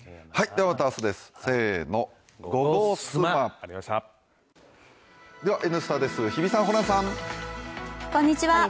わかるぞ「Ｎスタ」です日比さん、ホランさん。